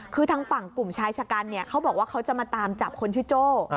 คือทางฝั่งกลุ่มชายชะกันเนี่ยเขาบอกว่าเขาจะมาตามจับคนชื่อโจ้